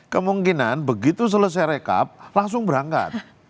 kemungkinan begitu selesai rekap langsung berangkat